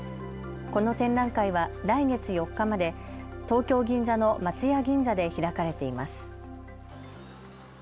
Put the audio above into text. この展覧会は来月４日まで東京銀座の松屋銀座で開かれています。